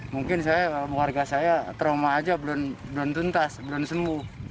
mungkin saya warga saya trauma aja belum tuntas belum sembuh